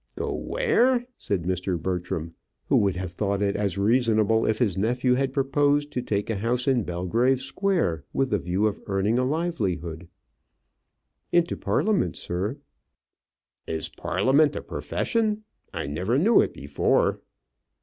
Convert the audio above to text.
"Go where?" said Mr. Bertram, who would have thought it as reasonable if his nephew had proposed to take a house in Belgrave Square with the view of earning a livelihood. "Into Parliament, sir." "Is Parliament a profession? I never knew it before."